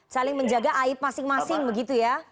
saling menjaga aib masing masing begitu ya